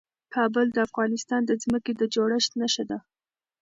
کابل د افغانستان د ځمکې د جوړښت نښه ده.